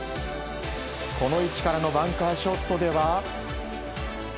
この位置からのバンカーショットでは。